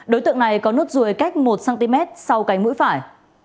đối tượng này có nốt ruồi cách một cm sau cánh mũi phải